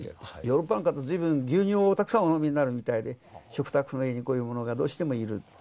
ヨーロッパの方随分牛乳をたくさんお飲みになるみたいで食卓の上にこういうものがどうしてもいる。